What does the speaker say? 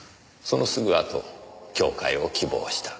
そのすぐあと教誨を希望した。